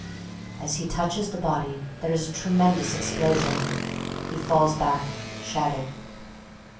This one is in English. (_As he touches the body there is a tremendous explosion. He falls back shattered.